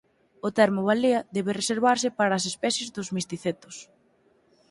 O termo balea debe reservarse para as especies dos misticetos.